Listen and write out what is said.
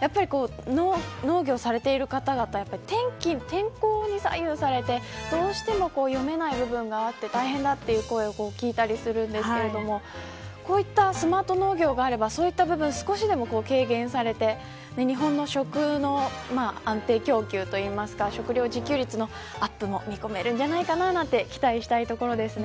やっぱり農業されている方々は天候に左右されてどうしても読めない部分があって大変だという声を聞いたりするんですがこういったスマート農業があればそういった部分少しでも軽減されて日本の食の安定供給と言いますか食料自給率のアップも見込めるんじゃないかな、なんて期待したいところですね。